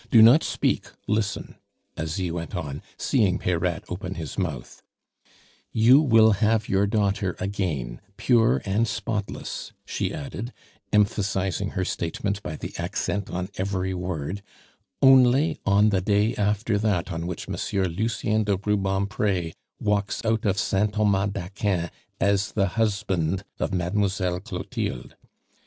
Do not speak, listen!" Asie went on, seeing Peyrade open his mouth. "You will have your daughter again, pure and spotless," she added, emphasizing her statement by the accent on every word, "only on the day after that on which Monsieur Lucien de Rubempre walks out of Saint Thomas d'Aquin as the husband of Mademoiselle Clotilde.